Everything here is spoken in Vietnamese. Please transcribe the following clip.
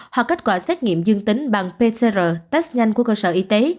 hoặc kết quả xét nghiệm dương tính bằng pcr test nhanh của cơ sở y tế